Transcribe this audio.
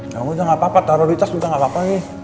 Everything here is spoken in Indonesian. ya udah gapapa prioritas juga gapapa nih